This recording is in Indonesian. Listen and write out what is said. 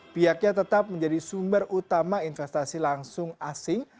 pihaknya tetap menjadi sumber utama investasi langsung asing